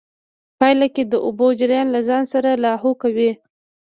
پايله کې د اوبو جريان له ځان سره لاهو کوي.